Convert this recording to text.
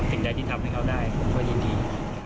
สิ่งใดที่ทำให้เขาได้ผมก็ยินดี